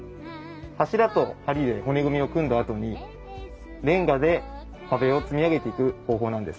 柱と梁で骨組みを組んだあとにれんがで壁を積み上げていく工法なんです。